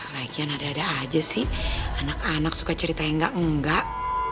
lah ya ada ada aja sih anak anak suka cerita yang enggak enggak